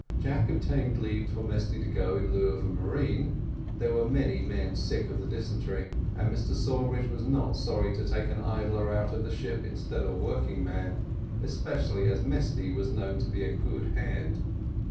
Jack obtained leave for Mesty to go in lieu of a marine: there were many men sick of the dysentery, and Mr Sawbridge was not sorry to take an idler out of the ship instead of a working man, especially as Mesty was known to be a good hand.